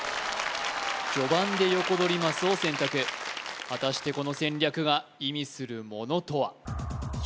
序盤でヨコドリマスを選択果たしてこの戦略が意味するものとは？